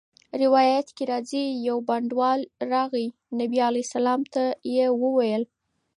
روایت کي راځي: يو بانډَوال راغی، نبي عليه السلام ته ئي وويل